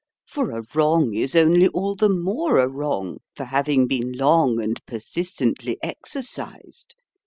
For a wrong is only all the more a wrong for having been long and persistently exercised.